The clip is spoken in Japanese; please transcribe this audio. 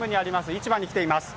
市場に来ています。